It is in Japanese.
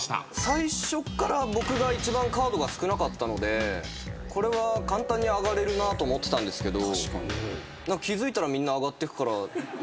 最初から僕が一番カードが少なかったのでこれは簡単に上がれるなと思ってたんですけど。